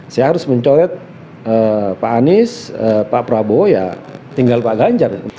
saya harus mencoret pak anies pak prabowo ya tinggal pak ganjar